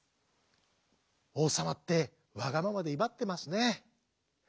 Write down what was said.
おうさまってわがままでいばってますね。